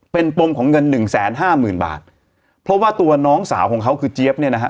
เป็นปมของเงิน๑๕๐๐๐๐บาทเพราะว่าตัวน้องสาวของเขาคือเจี๊ยบเนี่ยนะฮะ